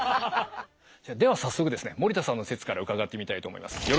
では早速ですね森田さんの説から伺ってみたいと思います。